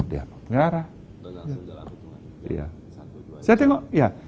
dia mau berpengaruh